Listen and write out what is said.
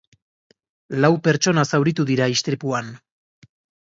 Lau pertsona zauritu dira istripuan.